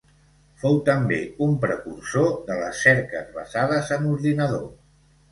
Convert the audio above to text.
Fou també un precursor de les cerques basades en ordinador.